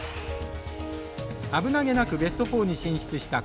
危なげなくベスト４に進出した興南。